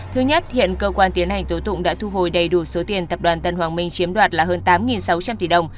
thứ nhất hiện cơ quan tiến hành tố tụng đã thu hồi đầy đủ số tiền tập đoàn tân hoàng minh chiếm đoạt là hơn tám sáu trăm linh tỷ đồng